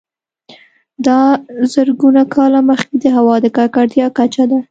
دا د زرګونه کاله مخکې د هوا د ککړتیا کچه ده